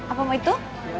apa mau itu